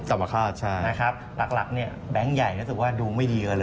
ต่ำคาดใช่นะครับหลักเนี่ยแบงค์ใหญ่รู้สึกว่าดูไม่ดีกว่าเลย